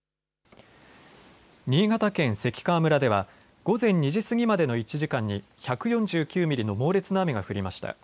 新潟県関川村では午前２時過ぎまでの１時間に１４９ミリの猛烈な雨が降りました。